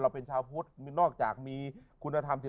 เราเป็นชาวพุทธนอกจากมีคุณธรรมศิรษภัณฑ์แล้ว